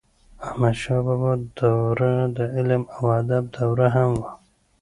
احمدشاه بابا دوره د علم او ادب دوره هم وه.